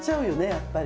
やっぱり。